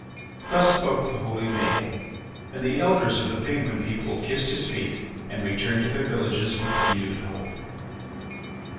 Thus spoke the holy Maël. And the Elders of the Penguin people kissed his feet and returned to their villages with renewed hope.